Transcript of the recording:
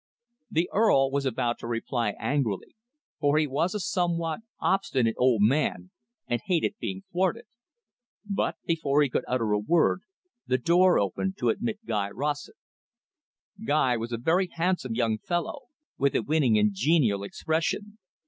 The Earl was about to reply angrily, for he was a somewhat obstinate old man, and hated being thwarted. But, before he could utter a word, the door opened to admit Guy Rossett. Guy was a very handsome young fellow, with a winning and genial expression.